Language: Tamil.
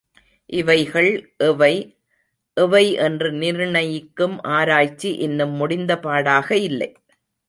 இவைகள் எவை, எவை என்று நிர்ணயிக்கும் ஆராய்ச்சி இன்னும் முடிந்தபாடாக இல்லை.